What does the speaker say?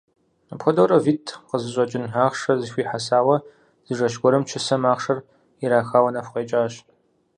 Апхуэдэурэ витӀ къызыщӀэкӀын ахъшэ зэхуихьэсауэ, зы жэщ гуэрым чысэм ахъшэр ирахауэ нэху къекӀащ.